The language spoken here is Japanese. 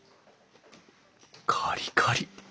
カリカリ！